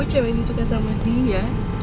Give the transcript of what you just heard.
cowok ini suka sama dia